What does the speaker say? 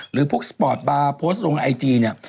หรือพวกสปอร์ตบ้าโพสต์ตรงออกกำลังกายนี่